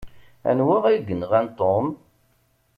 Anwa ay yenɣan Tom?